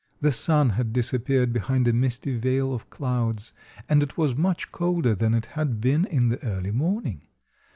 The sun had disappeared behind a misty veil of clouds and it was much colder than it had been in the early morning.